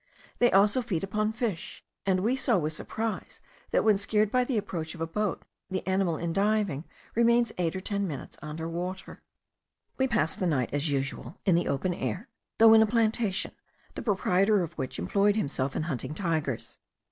They feed also upon fish; and we saw with surprise, that, when scared by the approach of a boat, the animal in diving remains eight or ten minutes under water. We passed the night as usual, in the open air, though in a plantation, the proprietor of which employed himself in hunting tigers.